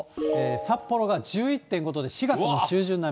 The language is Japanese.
札幌が１１．５度で、４月の中旬並み。